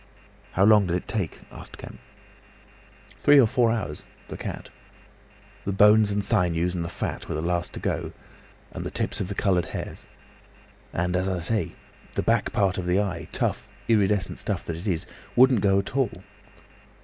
"How long did it take?" asked Kemp. "Three or four hours—the cat. The bones and sinews and the fat were the last to go, and the tips of the coloured hairs. And, as I say, the back part of the eye, tough, iridescent stuff it is, wouldn't go at all.